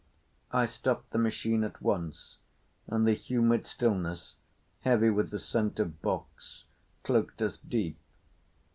I stopped the machine at once, and the humid stillness, heavy with the scent of box, cloaked us deep.